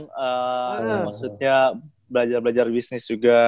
maksudnya belajar belajar bisnis juga